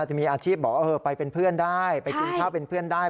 จะมีอาชีพบอกว่าไปเป็นเพื่อนได้ไปกินข้าวเป็นเพื่อนได้